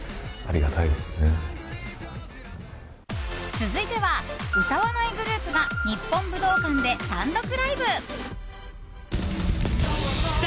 続いては、歌わないグループが日本武道館で単独ライブ。